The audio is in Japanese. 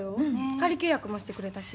仮契約もしてくれたし。